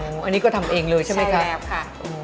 อันนี้ก็ทำเองเลยใช่ไหมคะใช่แล้วค่ะ